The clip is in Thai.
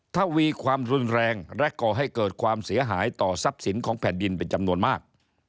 ถ้ามีความรุนแรงและก่อให้เกิดความเสียหายต่อทรัพย์สินของแผ่นดินเป็นจำนวนมาก